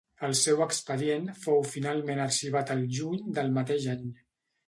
El seu expedient fou finalment arxivat el juny del mateix any.